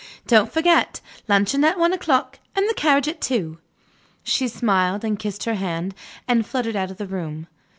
Don't forget luncheon at one o'clock, and the carriage at two." She smiled, and kissed her hand, and fluttered out of the room.